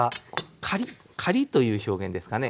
カリッカリッという表現ですかね。